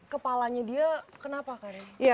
kepalanya dia kenapa karin